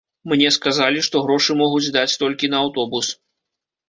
Мне сказалі, што грошы могуць даць толькі на аўтобус.